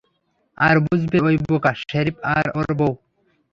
আর বুঝবে ওই বোকা শেরিফ আর ওর বউ।